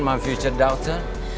apa yang terjadi dokter